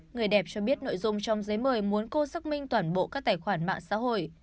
người đẹp cho biết nội dung trong giấy mời muốn cô xác minh toàn bộ các tài khoản mạng xã hội